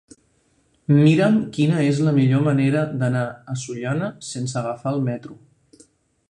Mira'm quina és la millor manera d'anar a Sollana sense agafar el metro.